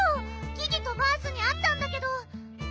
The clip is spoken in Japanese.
ギギとバースにあったんだけど。